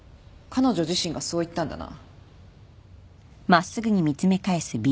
彼女自身がそう言ったんだな？